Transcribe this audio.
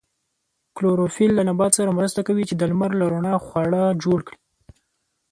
کلوروفیل له نبات سره مرسته کوي چې د لمر له رڼا خواړه جوړ کړي